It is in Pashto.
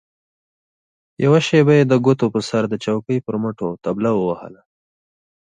يوه شېبه يې د ګوتو په سر د چوکۍ پر مټو طبله ووهله.